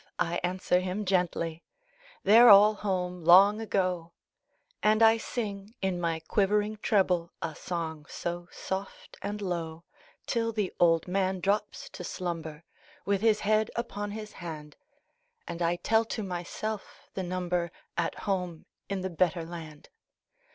I answer him gently, "They're all home long ago;" And I sing, in my quivering treble, A song so soft and low, Till the old man drops to slumber, With his head upon his hand, And I tell to myself the number At home in the better land.